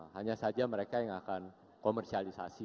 hanya saja mereka yang akan komersialisasi